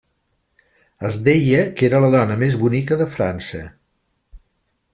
Es deia que era la dona més bonica de França.